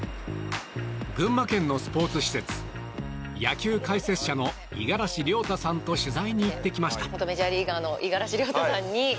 群馬県のスポーツ施設野球解説者の五十嵐亮太さんと取材に行ってきました。